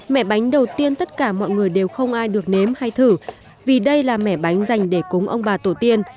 mẻ bánh đầu tiên tất cả mọi người đều không ai được nếm hay thử vì đây là mẻ bánh dành để cúng ông bà tổ tiên